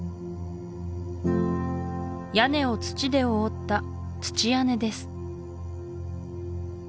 屋根を土で覆った土屋根です